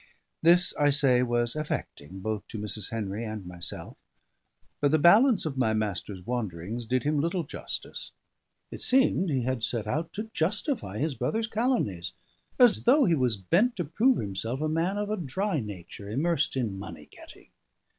This, I say, was affecting, both to Mrs. Henry and myself; but the balance of my master's wanderings did him little justice. It seemed he had set out to justify his brother's calumnies; as though he was bent to prove himself a man of a dry nature, immersed in money getting.